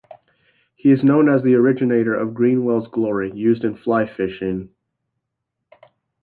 He is known as originator of "Greenwell's Glory", used in fly fishing.